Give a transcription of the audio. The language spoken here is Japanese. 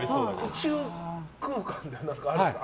宇宙空間であるんですか？